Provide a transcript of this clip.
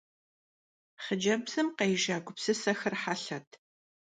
Хъыджэбзым къежа гупсысэхэр хьэлъэт.